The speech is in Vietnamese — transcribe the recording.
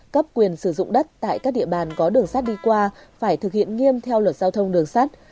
cấp quyền sử dụng đất tại các địa bàn có đường sắt đi qua phải thực hiện nghiêm theo luật giao thông đường sắt